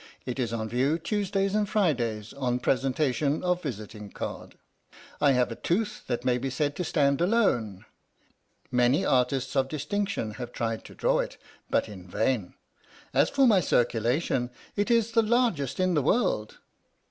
It is on view Tuesdays and Fridays on presentation of visiting card. I have a tooth that may be said to stand alone. Many artists of dis tinction have tried to draw it, but in vain. As for my circulation, it is the largest in the world."